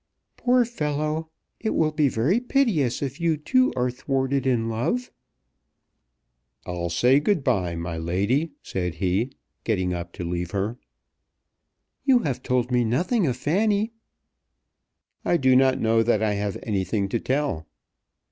"Poor fellow! It will be very piteous if you too are thwarted in love." "I'll say good bye, my lady," said he, getting up to leave her. "You have told me nothing of Fanny." "I do not know that I have anything to tell."